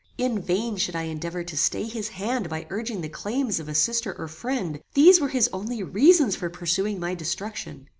In vain should I endeavour to stay his hand by urging the claims of a sister or friend: these were his only reasons for pursuing my destruction.